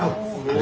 お！